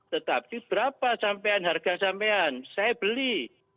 tetapi berapa sampai harga sampean saya beli